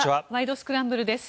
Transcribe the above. スクランブル」です。